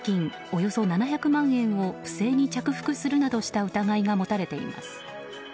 およそ７００万円を不正に着服するなどした疑いが持たれています。